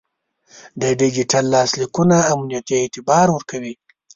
د ډیجیټل لاسلیکونه امنیتي اعتبار ورکوي.